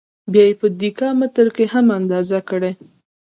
بیا یې په دېکا متره کې هم اندازه کړئ.